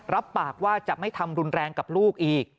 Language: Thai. รับปากว่าจะไม่ทำรุนแรงกับลูกอีก